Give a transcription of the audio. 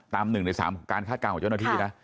ตาม๑ใน๓การฆาตกรรมของเจ้าหน้าที่นะ